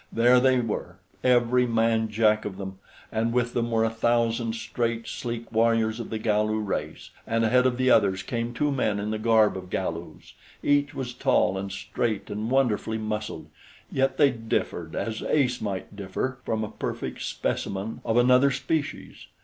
There they were, every man jack of them; and with them were a thousand straight, sleek warriors of the Galu race; and ahead of the others came two men in the garb of Galus. Each was tall and straight and wonderfully muscled; yet they differed as Ace might differ from a perfect specimen of another species.